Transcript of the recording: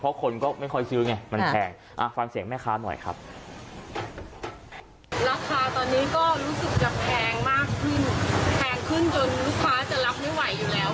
ซึ่งเขาก็คิดว่าเราอ่ะทำกำไรเยอะไปหรือเปล่า